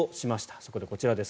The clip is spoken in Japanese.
そこでこちらです。